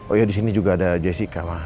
oh iya disini juga ada jessica ma